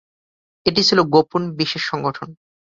এটি ছিল গোপন বিশেষ সংগঠন।